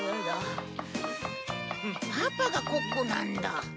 パパがコックなんだ。